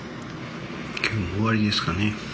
今日も終わりですかね。